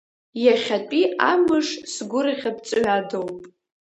Иахьатәи амыш сгәырӷьа ҵҩадоуп…